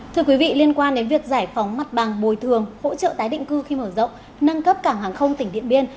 thưa quý vị liên quan đến việc giải phóng mặt bằng bồi thường hỗ trợ tái định cư khi mở rộng nâng cấp cảng hàng không tỉnh điện biên